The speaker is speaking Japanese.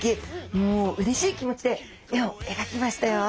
もううれしい気持ちで絵を描きましたよ。